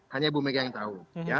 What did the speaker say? hanya ibu mega yang tahu